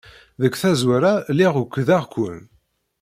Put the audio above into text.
Deg tazwara, lliɣ ukḍeɣ-ken.